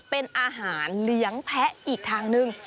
เป็นอาหารเหลืองแพ้อีกทางนึง